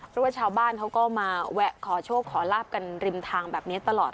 เพราะว่าชาวบ้านเขาก็มาแวะขอโชคขอลาบกันริมทางแบบนี้ตลอด